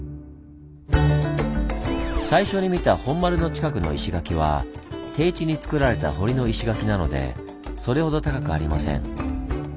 最初に見た本丸の近くの石垣は低地につくられた堀の石垣なのでそれほど高くありません。